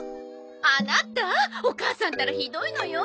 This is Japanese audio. アナタお義母さんったらひどいのよ。